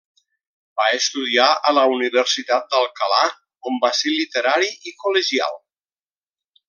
Va estudiar a la Universitat d'Alcalà, on va ser literari i col·legial.